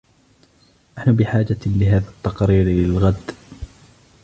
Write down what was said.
نحن بحاجة لهذا التقرير للغد